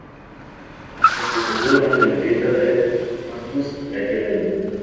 Se representó durante la fiesta del Corpus de aquel año.